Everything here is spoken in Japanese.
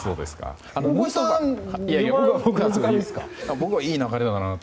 僕はいい流れだなと。